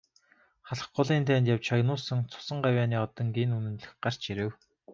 Халх голын дайнд явж шагнуулсан цусан гавьяаны одонгийн нь үнэмлэх гарч ирэв.